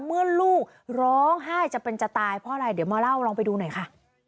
เมื่อลูกร้องไห้จะเป็นจะตายเพราะอะไรเดี๋ยวมาเล่าลองไปดูหน่อยค่ะ